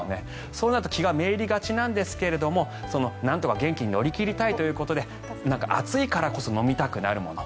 そうなると気がめいりがちなんですがなんとか元気に乗り切りたいということで暑いからこそ飲みたくなるもの